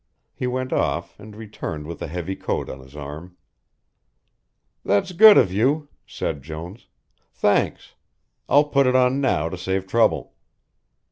He went off, and returned with a heavy coat on his arm. "That's good of you," said Jones. "Thanks I'll put it on now to save trouble."